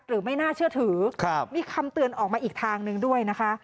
ไม่น่าเชื่อถือมีคำเตือนออกมาอีกทางหนึ่งด้วยนะคะ